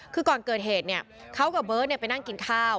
คือก่อนเกิดเหตุเขากับเบิร์ตไปนั่งกินข้าว